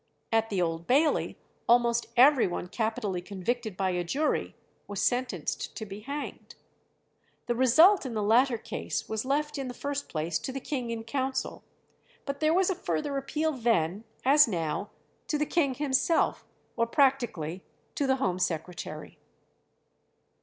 At the Old Bailey almost every one capitally convicted by a jury was sentenced to be hanged. The result in the latter case was left in the first place to the king in council, but there was a further appeal then, as now, to the king himself, or practically to the Home Secretary.